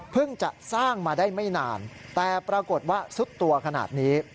จะสร้างมาได้ไม่นานแต่ปรากฏว่าซุดตัวขนาดนี้